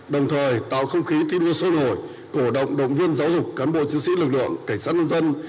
đồng thời tạo không khí thi đua sôi nổi cổ động động viên giáo dục cán bộ chiến sĩ lực lượng cảnh sát nhân dân